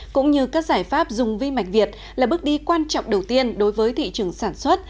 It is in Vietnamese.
cũng như các giải pháp dùng vi mạch việt là bước đi quan trọng đầu tiên đối với thị trường sản xuất